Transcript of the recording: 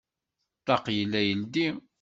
Ṭṭaq yella yeldi.